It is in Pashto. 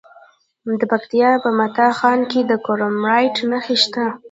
د پکتیکا په متا خان کې د کرومایټ نښې شته.